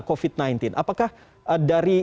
covid sembilan belas apakah dari